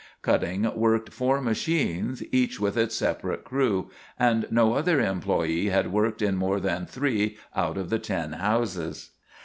Cutting worked four machines, each with its separate crew, and no other employee had worked in more than three out of the ten houses.